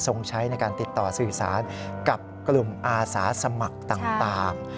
ใช้ในการติดต่อสื่อสารกับกลุ่มอาสาสมัครต่าง